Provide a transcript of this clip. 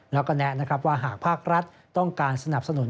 แล้วก็แนะนะครับว่าหากภาครัฐต้องการสนับสนุน